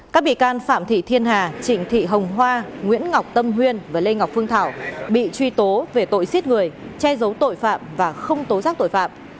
các bị can phạm thị thiên hà trịnh thị hồng hoa nguyễn ngọc tâm huyên và lê ngọc phương thảo bị truy tố về tội giết người che giấu tội phạm và không tố giác tội phạm